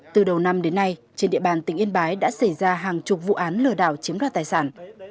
từ đầu năm đến nay trên địa bàn tỉnh yên bái đã xảy ra hàng chục vụ án lừa đảo chiếm đoạt tài sản